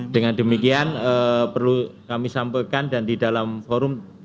dengan demikian perlu kami sampaikan dan di dalam forum